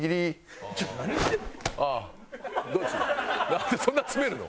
なんでそんな詰めるの？